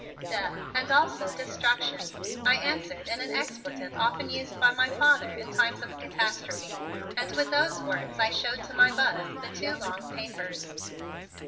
"Death and also destruction," I answered in an expletive often used by my father in times of a catastrophe, and with those words I showed to my Buzz the two long papers.